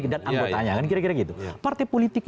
dan anggotanya kira kira gitu partai politik